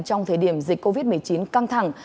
trong thời điểm dịch covid một mươi chín căng thẳng